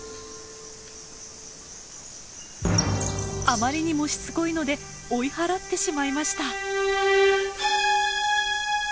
あまりにもしつこいので追い払ってしまいました。